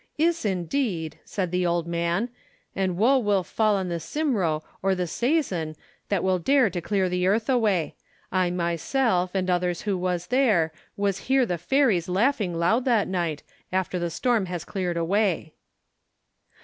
'Iss indeed,' said the old man, 'and woe will fall on the Cymro or the Saeson that will dare to clear the earth away. I myself, and others who was there, was hear the fairies laughing loud that night, after the storm has cleared away.'